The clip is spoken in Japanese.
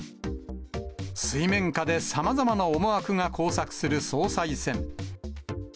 水面下でさまざまな思惑が交錯する総裁選。